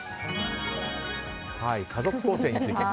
家族構成について。